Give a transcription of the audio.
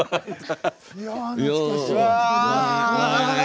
いや懐かしい。